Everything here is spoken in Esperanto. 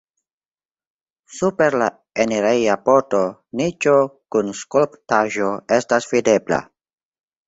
Super la enireja pordo niĉo kun skulptaĵo estas videbla.